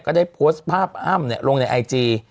ก็ได้โพสต์ภาพอ้ำลงในไอจี